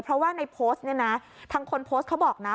เพราะว่าในโพสต์เนี่ยนะทางคนโพสต์เขาบอกนะ